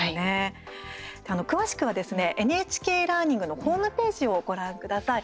詳しくはですね「ＮＨＫラーニング」のホームページをご覧ください。